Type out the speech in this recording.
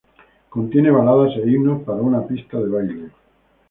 Contiene baladas e himnos para una pista de baile.